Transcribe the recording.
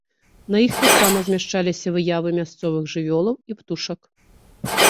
На іх таксама змяшчаліся выявы мясцовых жывёлаў і птушак.